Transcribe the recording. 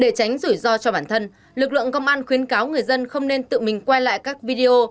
để tránh rủi ro cho bản thân lực lượng công an khuyến cáo người dân không nên tự mình quay lại các video